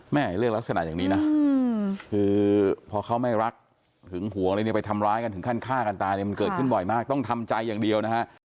แม่ให้เรื่องลักษณะอย่างนี้นะ